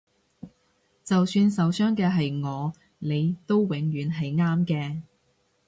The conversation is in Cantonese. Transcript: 就算受傷嘅係我你都永遠係啱嘅